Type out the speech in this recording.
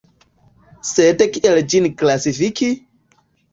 Sed kiel ĝin klasifiki?